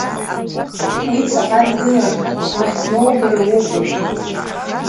Уи ҵаҟа дгылан, уахь дноугара уҟоуп.